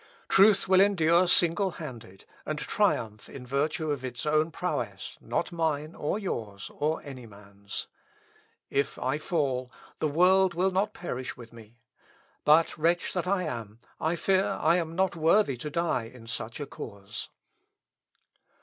Truth will endure single handed, and triumph in virtue of its own prowess, not mine or yours, or any man's. If I fall, the world will not perish with me. But, wretch that I am, I fear I am not worthy to die in such a cause."